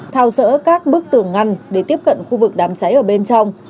thao sỡ các bức tường ngăn để tiếp cận khu vực đàm cháy ở bên trong